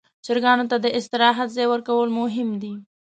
چرګانو ته د استراحت ځای ورکول مهم دي.